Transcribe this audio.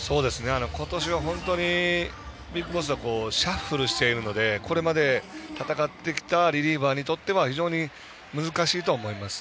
ことしはＢＩＧＢＯＳＳはシャッフルしていますのでここまで戦ってきたリリーフにとっては難しいと思います。